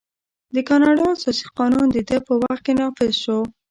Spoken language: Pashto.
د کاناډا اساسي قانون د ده په وخت کې نافذ شو.